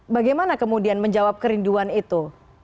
bagaimana kemudian menjawab kerinduan itu